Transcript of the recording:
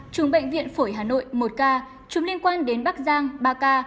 chủng bệnh viện phổi hà nội một ca chủng liên quan đến bắc giang ba ca